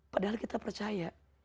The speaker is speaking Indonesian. padahal kita percaya